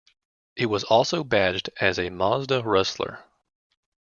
It was also badged as a Mazda Rustler.